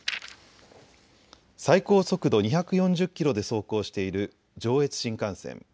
最高速度２４０キロで走行している上越新幹線。